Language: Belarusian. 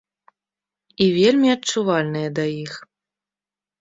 І вельмі адчувальныя да іх.